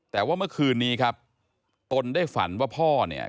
แต่ว่าเมื่อคืนนี้ครับตนได้ฝันว่าพ่อเนี่ย